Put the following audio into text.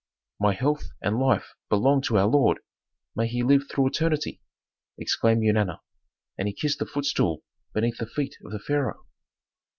"My health and life belong to our lord. May he live through eternity!" exclaimed Eunana, and he kissed the footstool beneath the feet of the pharaoh.